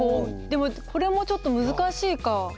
でもこれもちょっと難しいか。